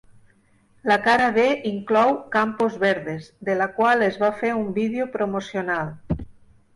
La cara B inclou "Campos verdes", de la qual es va fer un vídeo promocional.